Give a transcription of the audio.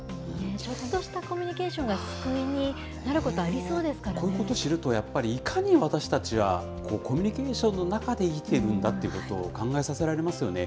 ちょっとしたコミュニケーションが救いになることありそうでこういうこと知ると、やっぱり、いかに私たちはコミュニケーションの中で生きているんだということを考えさせられますよね。